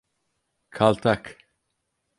Kaltak.